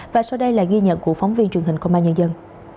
và sau đây là ghi nhận của phóng viên truyền hình công an nhân dân